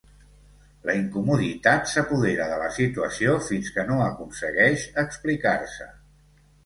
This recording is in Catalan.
La incomoditat s'apodera de la situació fins que no aconsegueix explicar-se.